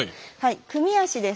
組み足です。